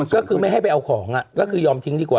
ก็คือไม่ให้ไปเอาของก็คือยอมทิ้งดีกว่า